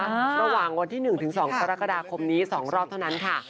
ระหว่างวันที่๑๒กรกฎาคมนี้๒รอบเท่านั้นค่ะ